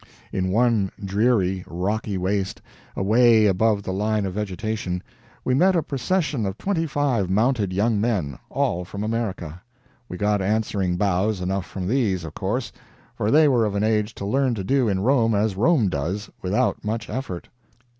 In one dreary, rocky waste, away above the line of vegetation, we met a procession of twenty five mounted young men, all from America. We got answering bows enough from these, of course, for they were of an age to learn to do in Rome as Rome does, without much effort.